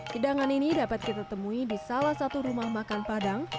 hidangan ini dapat kita temui di salah satu rumah makan padang